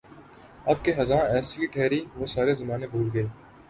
اب کے خزاں ایسی ٹھہری وہ سارے زمانے بھول گئے